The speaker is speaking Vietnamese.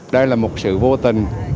đây là một sự vô tình